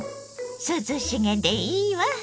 涼しげでいいわ。